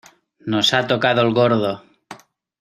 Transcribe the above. nos ha tocado el gordo.